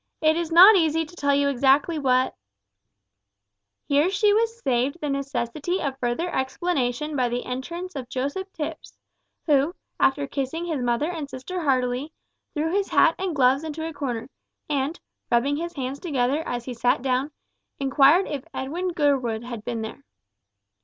"It is not easy to tell you exactly what " Here she was saved the necessity of further explanation by the entrance of Joseph Tipps, who, after kissing his mother and sister heartily, threw his hat and gloves into a corner, and, rubbing his hands together as he sat down, inquired if Edwin Gurwood had been there.